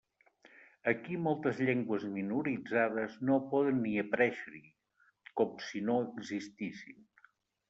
Aquí moltes llengües minoritzades no poden ni aparèixer-hi, com si no existissin.